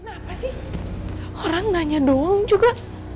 kenapa sih orang nanya dong juga